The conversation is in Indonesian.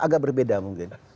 agak berbeda mungkin